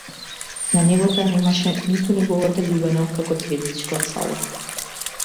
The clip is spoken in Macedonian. На небото ја немаше ниту неговата љубена како ѕвездичка од сало.